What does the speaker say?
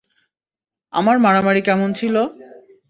আমার মারামারি কেমন ছিল?